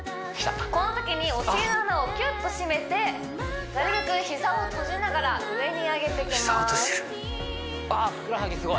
このときにお尻の穴をきゅっと締めてなるべく膝を閉じながら上に上げてきます